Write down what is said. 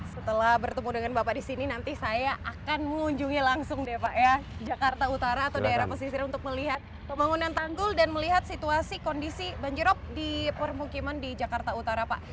setelah bertemu dengan bapak di sini nanti saya akan mengunjungi langsung deh pak ya jakarta utara atau daerah pesisir untuk melihat pembangunan tanggul dan melihat situasi kondisi banjirop di permukiman di jakarta utara pak